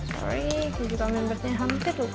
sorry keju camembertnya hampir lupa